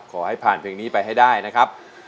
ขอให้ผ่านเพลงนี้ไปให้ได้นะครับ